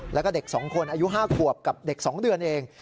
แล้วก็เด็ก๒คนอายุ๕ขวบกับเด็ก๒เดือนเอง